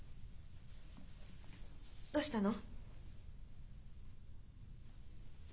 どうしたの？